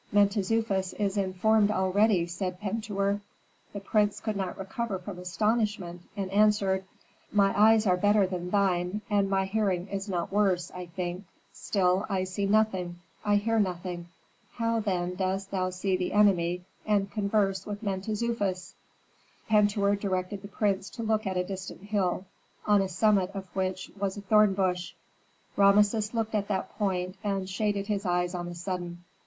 "Mentezufis is informed already," said Pentuer. The prince could not recover from astonishment and answered, "My eyes are better than thine, and my hearing is not worse, I think; still I see nothing, I hear nothing. How, then, dost thou see the enemy and converse with Mentezufis?" Pentuer directed the prince to look at a distant hill, on the summit of which was a thornbush. Rameses looked at that point and shaded his eyes on a sudden.